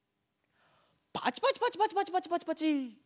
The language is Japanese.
パチパチパチパチパチパチパチパチ。